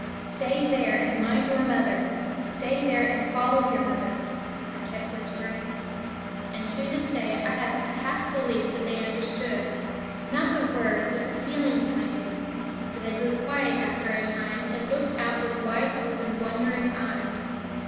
"Stay there, and mind your mother; stay there, and follow your mother," I kept whispering. And to this day I have a half belief that they understood, not the word but the feeling behind it; for they grew quiet after a time and looked out with wide open, wondering eyes.